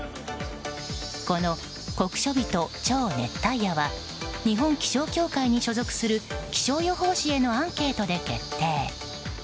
この酷暑日と超熱帯夜は日本気象協会に所属する気象予報士へのアンケートで決定。